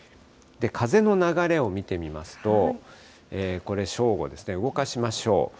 風の流れを見てみますと、これ、正午ですね、動かしましょう。